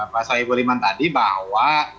pak sohibuliman tadi bahwa